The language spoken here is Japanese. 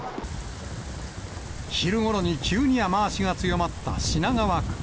昼ごろに急に雨足が強まった品川区。